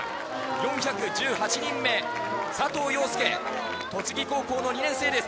４１８人目、佐藤陽介、栃木高校の２年生です。